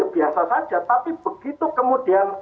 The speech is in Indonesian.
biasa saja tapi begitu kemudian